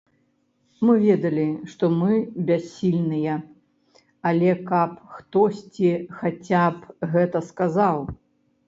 Мы ведалі, што мы бяссільныя, але каб хтосьці хаця б гэта сказаў.